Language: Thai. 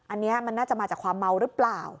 อันนี้มันน่าจะมาจากความเมาหรือเปล่า